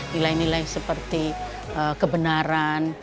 nilai nilai seperti kebenaran